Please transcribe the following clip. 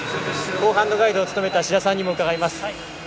後半のガイドを務めた志田さんにも伺います。